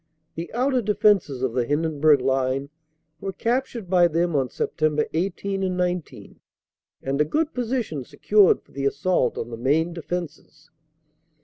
The outer defenses of the Hindenburg line were captured by them on Sept. 18 and 19, and a good position secured for the assault on the main defenses.